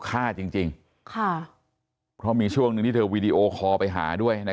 ฆ่าจริงจริงค่ะเพราะมีช่วงหนึ่งที่เธอวีดีโอคอลไปหาด้วยนะ